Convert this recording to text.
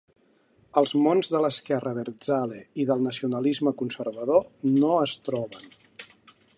Els mons de l’esquerra abertzale i del nacionalisme conservador no es troben.